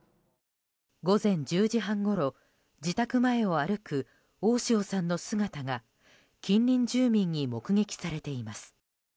午前１０時半ごろ自宅前を歩く大塩さんの姿が近隣住民に目撃されています。